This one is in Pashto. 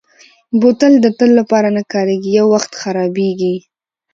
بوتل د تل لپاره نه کارېږي، یو وخت خرابېږي.